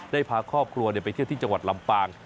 ได้พาครอบครัวไปเที่ยวที่จังหวัดลำปาง